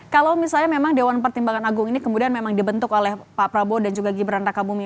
kalau misalnya memang dewan pertimbangan agung ini kemudian memang dibentuk oleh pak prabowo dan juga gibran raka bumi